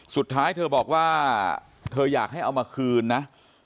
สุดท้ายเธอบอกว่าเธออยากให้เอามาคืนนะ